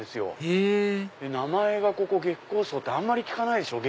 へぇ名前がここ月光荘ってあんまり聞かないでしょ